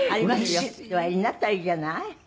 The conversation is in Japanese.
「うれしい」「おやりになったらいいじゃない？」